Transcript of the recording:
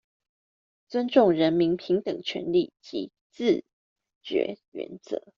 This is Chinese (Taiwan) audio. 尊重人民平等權利及自決原則